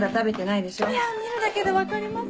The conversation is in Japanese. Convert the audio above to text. いや見るだけで分かります。